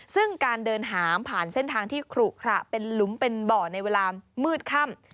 ซึ่งการเดินหามผ่านเส้นทางที่ขลุขระเป็นหลุมเป็นบ่อในเวลามืดค่ำ